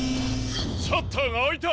シャッターがあいた！